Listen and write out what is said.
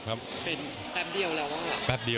เป็นแปปเดียวแล้วหรือ